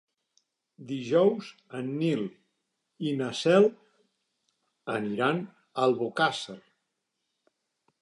Dijous en Nil i na Cel aniran a Albocàsser.